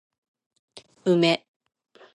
梅